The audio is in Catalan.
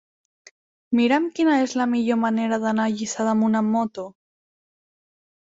Mira'm quina és la millor manera d'anar a Lliçà d'Amunt amb moto.